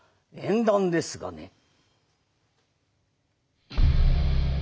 縁談ですがね。